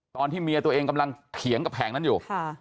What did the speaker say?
ตอนที่เมียตัวเองกำลังเถียงกับแผงนั้นอยู่